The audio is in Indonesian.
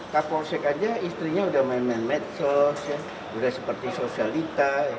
kapolsek aja istrinya udah main main medsos sudah seperti sosialita